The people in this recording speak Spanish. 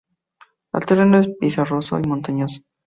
El terreno es pizarroso y montañoso.